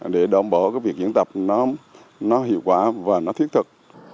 để đồng bộ việc diễn tập nó hiệu quả và thiết thực